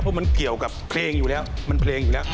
เพราะมันเกี่ยวกับเพลงอยู่แล้วมันเพลงอยู่แล้ว